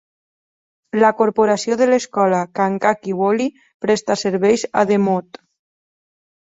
La corporació de l'escola Kankakee Valley presta serveis a DeMotte.